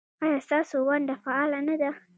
ایا ستاسو ونډه فعاله نه ده؟